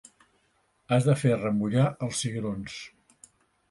Has de fer remullar els cigrons.